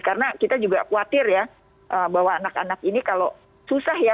karena kita juga khawatir ya bahwa anak anak ini kalau susah ya